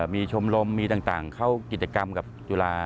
มีชมรมมีต่างเข้ากิจกรรมกับจุฬา